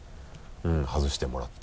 外してもらって。